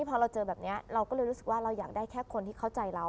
พอเราเจอแบบนี้เราก็เลยรู้สึกว่าเราอยากได้แค่คนที่เข้าใจเรา